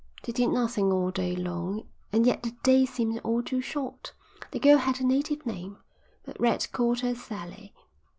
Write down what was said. They did nothing all day long and yet the days seemed all too short. The girl had a native name, but Red called her Sally.